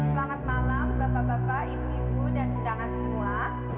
selamat malam bapak bapak ibu ibu dan undangan semua